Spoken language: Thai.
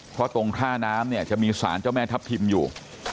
เพราะตรงท่าน้ำเนี่ยจะมีสารเจ้าแม่ทัพทิมอยู่